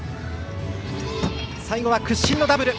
最後は屈身のダブル。